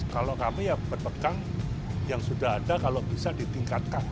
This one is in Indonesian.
kalau kami ya berpegang yang sudah ada kalau bisa ditingkatkan